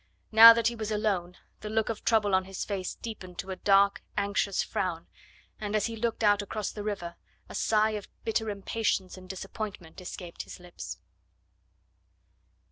Now that he was alone the look of trouble on his face deepened to a dark, anxious frown, and as he looked out across the river a sigh of bitter impatience and disappointment escaped his lips.